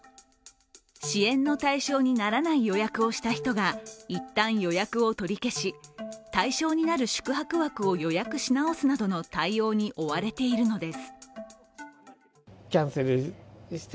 支援の対象にならない予約をした人が一旦予約を取り消し、対象になる宿泊枠を予約し直すなどの対応に追われているのです。